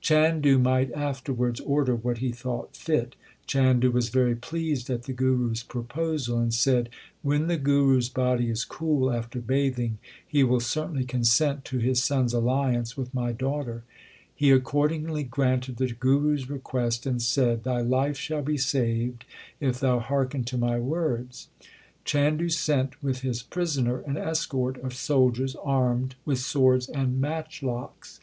Chandu might afterwards order what he thought fit. Chandu was very pleased at the Guru s proposal and said, When the Guru s body is cool after bathing, he will certainly consent to his son s alliance with my daughter/ He accordingly granted the Guru s request and said, Thy life shall be saved, if thou hearken to my words/ Chandu sent with his prisoner an escort of soldiers armed with swords and matchlocks.